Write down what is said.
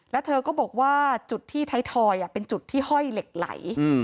แล้วเธอก็บอกว่าจุดที่ไทยทอยเป็นจุดที่ห้อยเหล็กไหล